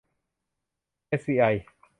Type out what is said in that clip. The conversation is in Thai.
เอสวีไอ